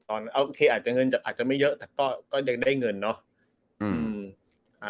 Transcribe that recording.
โอเคอาจจะเงินอาจจะไม่เยอะแต่ก็ยังได้เงินเนาะ